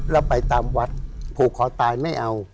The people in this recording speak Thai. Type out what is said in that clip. แล้วไปตามวัดผูกคอตายไม่เอา